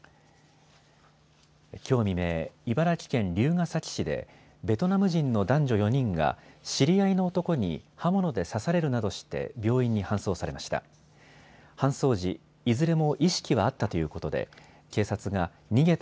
きょう未明、茨城県龍ケ崎市でベトナム人の男女４人が知り合いの男に刃物で刺されるなどして病院に搬送されました。